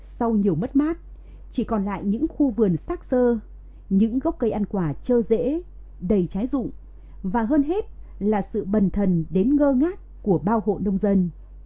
sau nhiều mất mát chỉ còn lại những khu vườn xác sơ những gốc cây ăn quả trơ rễ đầy trái rụng và hơn hết là sự bần thần đến ngơ ngát của bao hộ nông dân